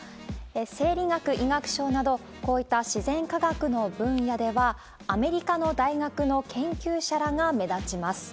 生理学・医学賞など、こういった自然科学の分野では、アメリカの大学の研究者らが目立ちます。